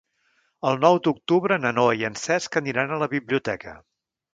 El nou d'octubre na Noa i en Cesc aniran a la biblioteca.